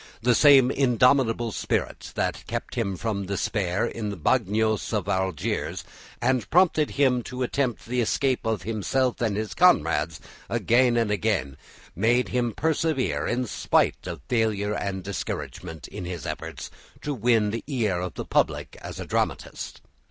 The same indomitable spirit that kept him from despair in the bagnios of Algiers, and prompted him to attempt the escape of himself and his comrades again and again, made him persevere in spite of failure and discouragement in his efforts to win the ear of the public as a dramatist.